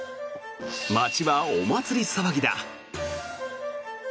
街はお祭り騒ぎだ。